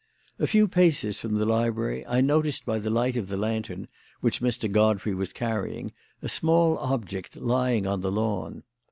A few paces from the library I noticed by the light of the lantern, which Mr. Godfrey was carrying, a small object lying on the lawn.